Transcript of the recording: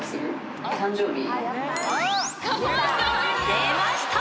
［出ました！